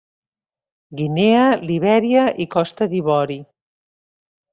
Guinea, Libèria i Costa d'Ivori.